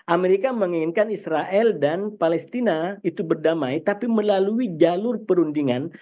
amerika menginginkan israel dan palestina itu berdamai tapi melalui jalur perundingan